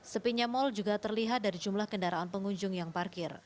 sepinya mal juga terlihat dari jumlah kendaraan pengunjung yang parkir